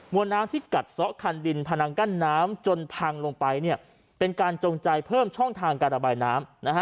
วนน้ำที่กัดซ้อคันดินพนังกั้นน้ำจนพังลงไปเป็นการจงใจเพิ่มช่องทางการระบายน้ำ